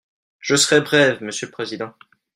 Je serai brève, monsieur le président.